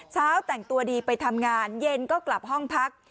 เช้าแต่งตัวดีไปทำงานเย็นก็กลับห้องพัก